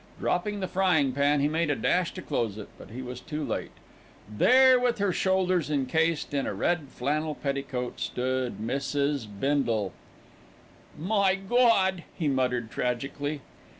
Dropping the frying pan, he made a dash to close it; but he was too late. There, with her shoulders encased in a red flannel petticoat, stood Mrs. Bindle. "My Gawd!" he muttered tragically.